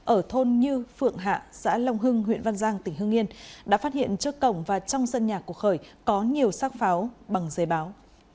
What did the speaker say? ở thôn như phượng hạ xã long hưng huyện văn giang tỉnh hương yên đã phát hiện trước cổng và trong sân nhà của khởi có nhiều sắc pháo bằng giấy báo